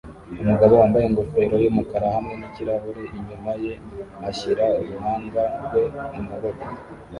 umugabo wambaye ingofero yumukara hamwe nikirahure inyuma ye ashyira uruhanga rwe mumaboko